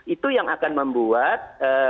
itu yang akan membuat